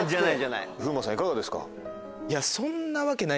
いかがですか？